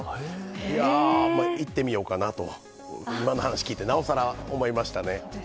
いやー、行ってみようかなと、今の話聞いて、なおさら思いましたね。